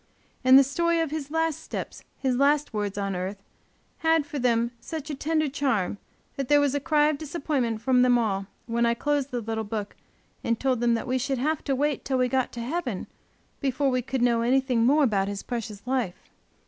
And the story of his last steps, his last words on earth, had for them such a tender charm, that there was a cry of disappointment from them all, when I closed the little book and told them we should have to wait till we got to heaven before we could know anything more about his precious life.